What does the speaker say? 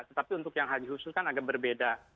tetapi untuk yang haji khusus kan agak berbeda